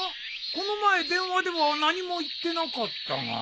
この前電話では何も言ってなかったが。